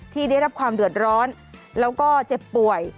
ที่ได้รับความเดือดร้อนแล้วก็เจ็บป่วย